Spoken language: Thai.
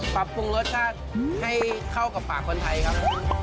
ปรับปรุงรสชาติให้เข้ากับปากคนไทยครับผม